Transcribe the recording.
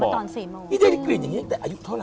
คือเขาบอกนี่เธอได้รู้กลิ่นอย่างเงี้ยตั้งแต่อายุเท่าไหร่อะ